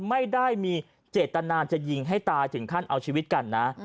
ไม่ได้มีเจตนาจะยิงให้ตายถึงขั้นเอาชีวิตกันนะ